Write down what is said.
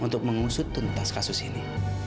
untuk mengusut tuntas kasus ini